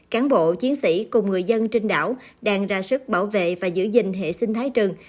cán bộ chiến sĩ cùng người dân trên đảo đang ra sức bảo vệ và giữ gìn hệ sinh thái rừng